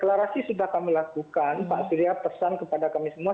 deklarasi sudah kami lakukan pak surya pesan kepada kami semua